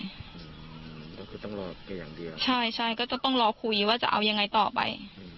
ก็คือต้องรอแกอย่างเดียวใช่ใช่ก็จะต้องรอคุยว่าจะเอายังไงต่อไป